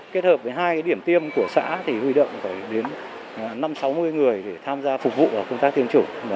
kết hợp với hai điểm tiêm của xã thì huy động đến năm sáu mươi người để tham gia phục vụ công tác tiêm chủng